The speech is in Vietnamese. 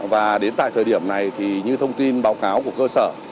và đến tại thời điểm này thì như thông tin báo cáo của cơ sở